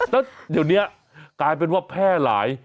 แล้วเดี๋ยวนี้กลายเป็นว่าแพร่หลาย